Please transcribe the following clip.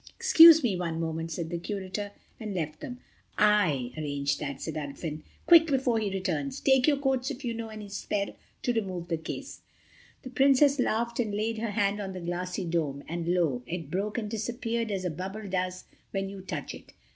"Excuse me one moment," said the Curator, and left them. "I arranged that," said Ulfin, "quick, before he returns—take your coats if you know any spell to remove the case." The Princess laughed and laid her hand on the glassy dome, and lo! it broke and disappeared as a bubble does when you touch it.